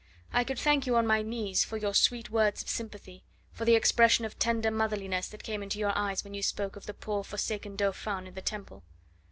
I could thank you on my knees for your sweet words of sympathy, for the expression of tender motherliness that came into your eyes when you spoke of the poor forsaken Dauphin in the Temple."